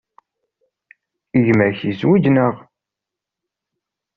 Gma-k yezwej, naɣ?